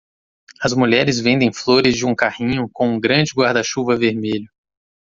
As mulheres vendem flores de um carrinho com um grande guarda-chuva vermelho.